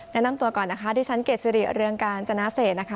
แนะนำตัวก่อนนะคะดิฉันเกดสิริเรืองกาญจนาเศษนะคะ